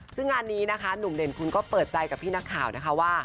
ซึ่งงานนี้นะคะหนุ่มเด่นคุณก็เปิดใจกับพี่นักข่าวนะคะว่า